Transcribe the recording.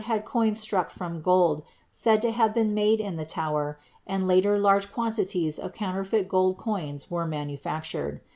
had coins struck from gold said to have been made in the Tower and later large quantities of counterfeit gold coins were manufactured.